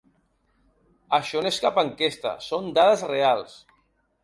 Això no és cap enquesta, són dades reals.